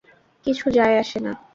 কিছু যায় আসে না।